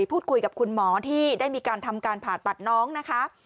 พูดคุยกับคุณหมอที่ได้มีการทำการผ่าตัดน้องนะคะ